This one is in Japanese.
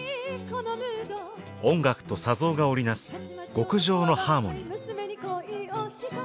音楽と砂像が織り成す極上のハーモニー。